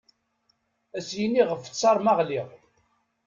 Ad as-yini ɣef ttaṛ ma ɣliɣ.